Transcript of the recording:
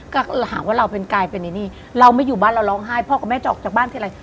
ก็หาว่าเราเป็นกายเป็นไอ้นี่เราไม่อยู่บ้านเราร้องไห้พ่อกับแม่จะออกจากบ้านทีไร